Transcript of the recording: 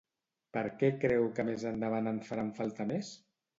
Per què creu que més endavant en faran falta més?